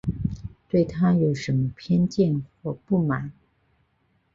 对她有什么偏见或不满